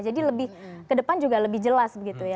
jadi lebih ke depan juga lebih jelas begitu ya